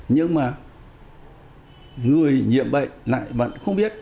nhưng mà người nhiễm bệnh lại vẫn không biết